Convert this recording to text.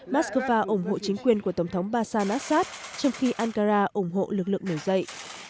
moscow ủng hộ chính quyền của tổng thống bashar al assad trong khi ankara ủng hộ lực lượng nổi dậy